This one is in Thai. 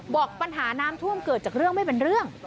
บอกปัญหาน้ำท่วมเกิดจากเรื่องไม่เป็นเรื่อง